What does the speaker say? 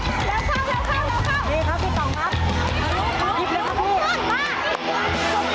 เข้า